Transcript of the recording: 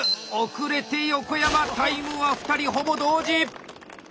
遅れて横山タイムは２人ほぼ同時！